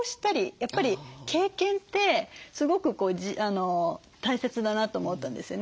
やっぱり経験ってすごく大切だなと思ったんですよね。